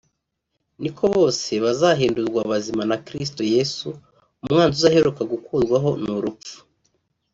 ni ko bose bazahindurwa bazima na Kristo Yesu… Umwanzi uzaheruka gukurwaho ni urupfu